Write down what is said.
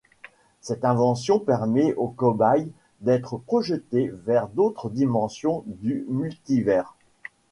Cette invention permet au cobaye d'être projeté vers d'autres dimensions du Multivers.